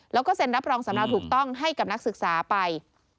แล้วก็เซ็นรับรองสำเนาถูกต้องให้กับนักศึกษาไป